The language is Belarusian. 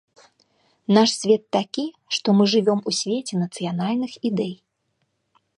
Наш свет такі, што мы жывём у свеце нацыянальных ідэй.